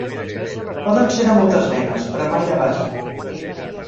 Poden ser de moltes menes, però mai de base.